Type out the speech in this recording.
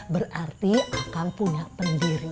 berarti akang punya pendirian